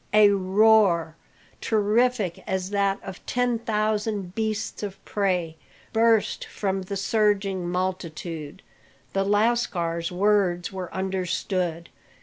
A roar, terrific as that of ten thousand beasts of prey, burst from the surging multitude. The lascars words were understood.